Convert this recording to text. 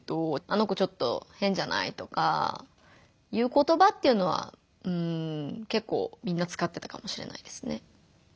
「あの子ちょっと変じゃない？」とかいう言葉っていうのはうんけっこうみんなつかってたかもしれないですね。